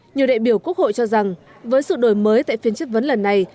nhiều đại biểu quốc hội cho rằng với sự đổi mới tại phiên chất vấn lần này